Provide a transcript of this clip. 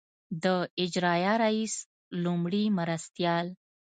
د اجرائیه رییس لومړي مرستیال.